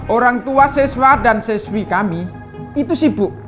orang tua seswa dan seswi kami itu sibuk